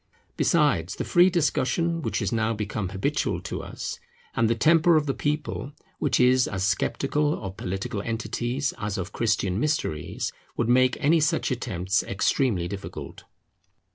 Besides, the free discussion which has now become habitual to us, and the temper of the people, which is as sceptical of political entities as of Christian mysteries, would make any such attempts extremely difficult.